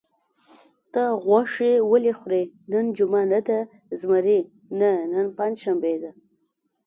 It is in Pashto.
ته غوښې ولې خورې؟ نن جمعه نه ده؟ زمري: نه، نن پنجشنبه ده.